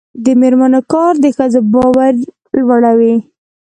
د میرمنو کار د ښځو باور لوړوي.